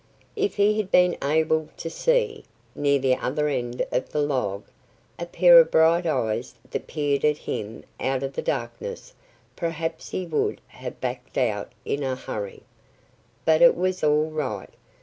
If he had been able to see, near the other end of the log, a pair of bright eyes that peered at him out of the darkness perhaps he would have backed out in a hurry. But it was all right.